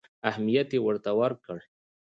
اهمیت یې ورته ورکړ.